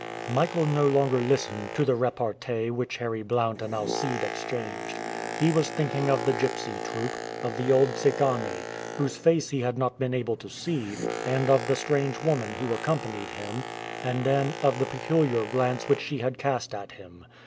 Michael no longer listened to the repartee which Harry Blount and Alcide exchanged. He was thinking of the gypsy troupe, of the old Tsigane, whose face he had not been able to see, and of the strange woman who accompanied him, and then of the peculiar glance which she had cast at him.